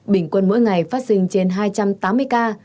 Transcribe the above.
bình quân mỗi ngày phát sinh trên hai trăm tám mươi ca